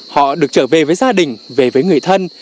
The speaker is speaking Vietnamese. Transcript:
họ được trở về với gia đình về với người thân